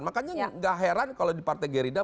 makanya gak heran kalau di partai gerindra